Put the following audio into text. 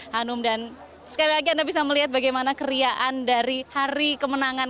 hanum dan sekali lagi anda bisa melihat bagaimana keriaan dari hari kemenangan